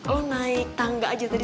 oh naik tangga aja tadi